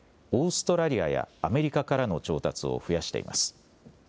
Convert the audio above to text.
オーストラリアやアメリカからの調達を増やしています。